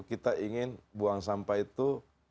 kita ingin buang sampah itu